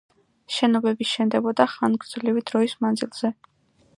შენობები შენდებოდა ხანგრძლივი დროის მანძილზე.